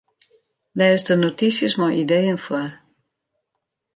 Lês de notysjes mei ideeën foar.